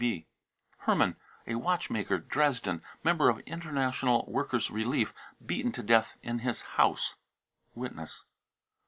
{WTB.) Hermann, a watchmaker, Dresden, member of International Workers' Relief, beaten to death in his house. (Witness.)